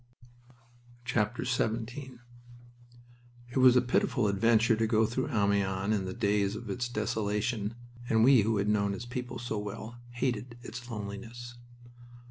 XVII It was a pitiful adventure to go through Amiens in the days of its desolation, and we who had known its people so well hated its loneliness.